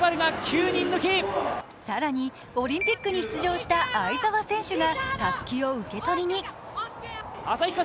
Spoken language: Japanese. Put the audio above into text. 更にオリンピックに出場した相澤選手がたすきを受け取りに。